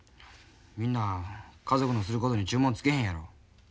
みんな家族のすることに注文つけへんやろ。